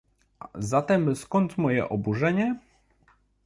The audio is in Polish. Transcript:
Zatem skąd moje oburzenie?